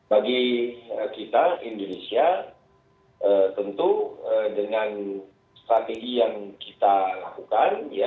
bagi kita indonesia tentu dengan strategi yang kita lakukan